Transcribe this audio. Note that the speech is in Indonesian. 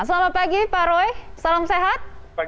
selamat pagi pak roy salam sehat